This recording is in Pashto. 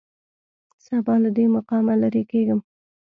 سبا له دې مقامه لېرې کېږم.